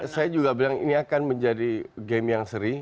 saya juga bilang ini akan menjadi game yang seri